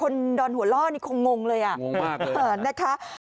คนดอนหัวล่อนี้คงงงเลยอ่ะงงมากเลยนะฮะ